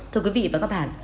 thưa quý vị và các bạn